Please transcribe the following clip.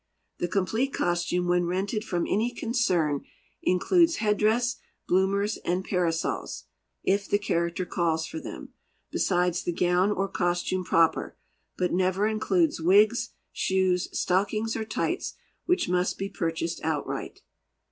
The complete costume when rented from any concern includes headdress, bloomers and parasols (if the character calls for them), besides the gown or costume proper, but never includes wigs, shoes, stockings or tights, which must be purchased outright.